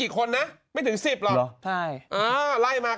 พี่หนุ่มก็รู้จัก